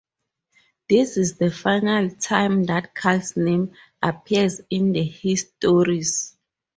This is the final time that Kal's name appears in the histories.